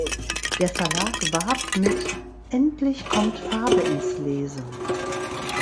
Der Verlag warb mit „Endlich kommt Farbe ins Lesen“.